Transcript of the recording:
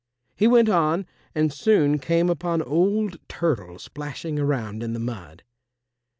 He went on and soon came upon old Turtle splashing around in the mud.